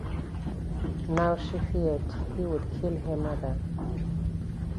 Now, she feared, he would kill her mother.